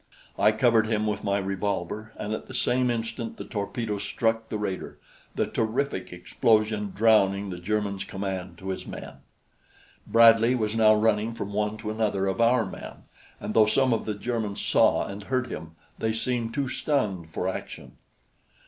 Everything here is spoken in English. I covered him with my revolver, and at the same instant the torpedo struck the raider, the terrific explosion drowning the German's command to his men. Bradley was now running from one to another of our men, and though some of the Germans saw and heard him, they seemed too stunned for action.